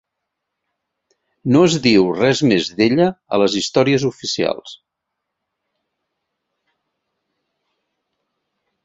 No es diu res més d'ella a les històries oficials.